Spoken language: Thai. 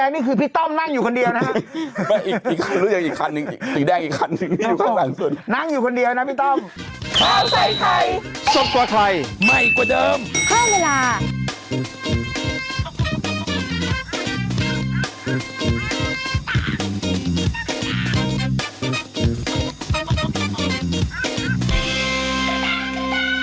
ไม่มีอยู่คันนึงความมีก็เตรียมไว้๒คันไงพูดถูก